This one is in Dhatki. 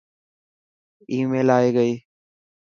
آي ميل ائي گئي.